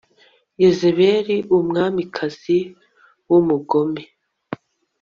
Yezebeli umwamikazi w umugome